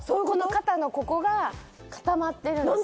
肩のここが固まってるんですよ